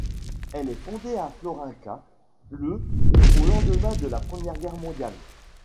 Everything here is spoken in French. Elle est fondée à Florynka le au lendemain de la Première Guerre mondiale.